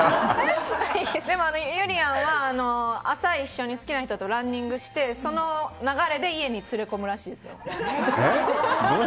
でも、ゆりやんは朝一緒に好きな人とランニングして、その流れで家に連れ込むらしいですよ。